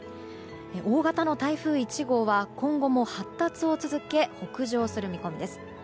大型の台風１号は今後も発達を続け北上する見込みです。